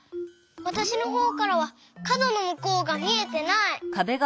わたしのほうからはかどのむこうがみえてない！